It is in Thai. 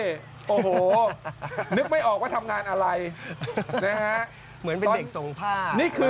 โอ้โหนึกไม่ออกว่าทำงานอะไรนะฮะเหมือนเป็นเด็กส่งผ้านี่คือ